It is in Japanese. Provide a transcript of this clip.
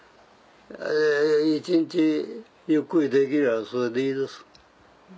一日ゆっくりできればそれでいいです。